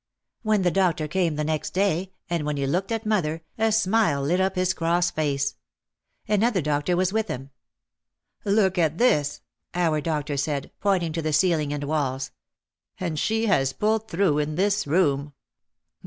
When the doctor came the next day and when he looked at mother a smile lit up his cross face. Another doctor was with him. "Look at this," our doctor said, pointing to the ceiling and walls. "And she has pulled through in this room.